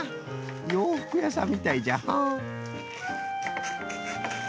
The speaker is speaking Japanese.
ようふくやさんみたいじゃ。